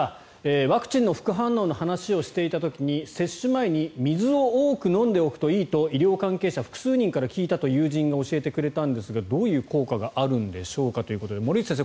ワクチンの副反応の話をしていた時に接種前に水を多く飲んでおくといいと医療関係者複数人から聞いたと友人が教えてくれたんですがどういう効果があるんでしょうかということで森内先生